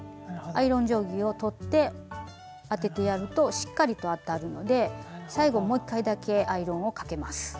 アイロン定規を取って当ててやるとしっかりと当たるので最後もう一回だけアイロンをかけます。